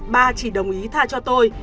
ba chỉ đồng ý tha cho tôi